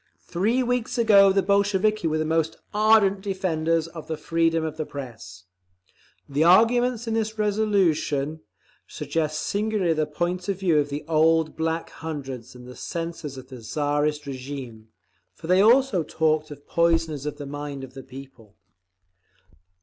"Three weeks ago the Bolsheviki were the most ardent defenders of the freedom of the Press… The arguments in this resolution suggest singularly the point of view of the old Black Hundreds and the censors of the Tsarist régime—for they also talked of 'poisoners of the mind of the people.